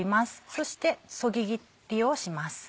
そしてそぎ切りをします。